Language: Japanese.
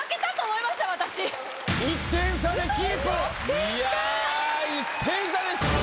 いや１点差です。